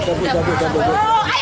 ayo jempol bupati